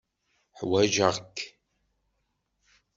Ḥwajeɣ-k.